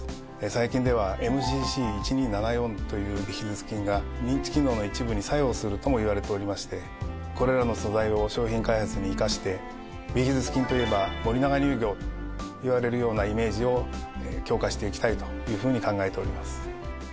最近ではＭＣＣ１２７４というビフィズス菌が認知機能の一部に作用するともいわれておりましてこれらの素材を商品開発に生かしてビフィズス菌といえば森永乳業といわれるようなイメージを強化していきたいというふうに考えております。